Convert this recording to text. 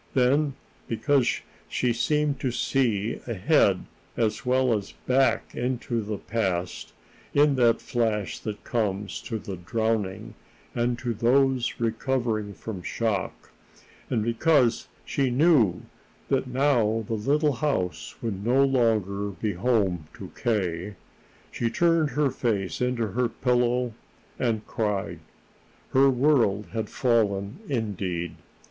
Then, because she seemed to see ahead as well as back into the past in that flash that comes to the drowning and to those recovering from shock, and because she knew that now the little house would no longer be home to K., she turned her face into her pillow and cried. Her world had fallen indeed.